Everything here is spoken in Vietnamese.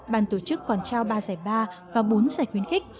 bàn tổ chức còn trao ba giải ba và bốn giải khuyến khích